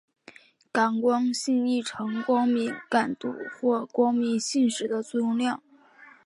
感光性亦称光敏感度或光敏性时的作用量。